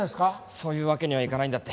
そういうわけにはいかないんだって。